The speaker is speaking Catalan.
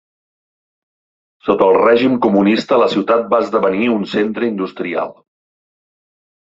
Sota el règim comunista la ciutat va esdevenir un centre industrial.